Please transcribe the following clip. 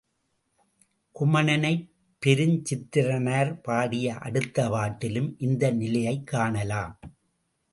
குமணனைப் பெருஞ்சித்திரனார் பாடிய அடுத்த பாட்டிலும் இந்த நிலையைக் காணலாம்.